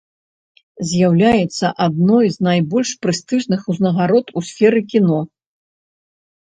З'яўляецца адной з найбольш прэстыжных узнагарод у сферы кіно.